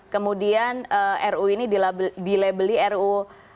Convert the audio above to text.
kemudian ru ini dilabel ru